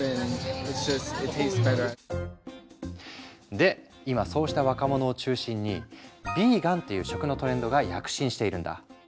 で今そうした若者を中心にヴィーガンっていう食のトレンドが躍進しているんだ。